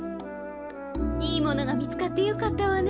いいものがみつかってよかったわね。